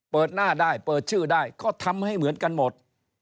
เปิดหน้าได้เปิดชื่อได้ก็ทำให้เหมือนกันหมด